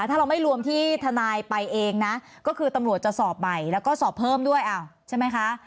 ถ้าเราไม่รวมที่ทนายไปเองนะก็คือตำรวจจะสอบใหม่แล้วก็สอบเพิ่มด้วยใช่ไหมคะ